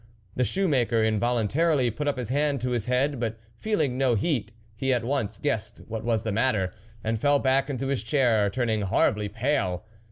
The shoe maker involuntarily put up his hand to his head, but feeling no heat, he at once guessed what was the matter, and fell back into his chair, turning horribly pale.